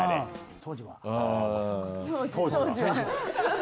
当時は。